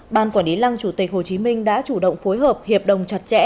ban quản lý lăng chủ tịch hồ chí minh đã chủ động phối hợp hiệp đồng chặt chẽ